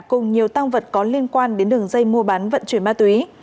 cùng nhiều tăng vật có liên quan đến đường dây mua bán vận chuyển ma túy